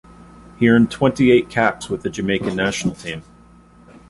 He earned twenty-eight caps with the Jamaican national team.